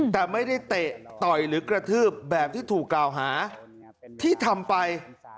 แต่ไม่ได้เตะต่อยหรือกระทืบแบบที่ถูกกล่าวหาที่ทำไป